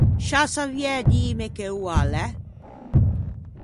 Sciâ saviæ dîme che oa l’é?